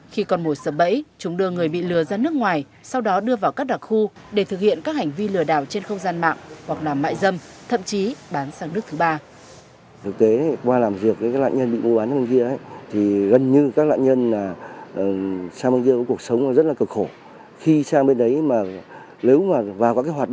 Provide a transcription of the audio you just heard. khi còn mồi sập bẫy chúng đưa người bị lừa ra nước ngoài sau đó đưa vào các đặc khu để thực hiện các hành vi lừa đào trên không gian mạng hoặc làm mại dâm thậm chí bán sang nước thứ ba